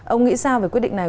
ông nghĩ sao về quyết định này